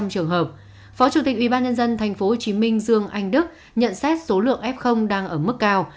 ba mươi bảy năm trăm linh trường hợp phó chủ tịch ubnd tp hcm dương anh đức nhận xét số lượng f đang ở mức cao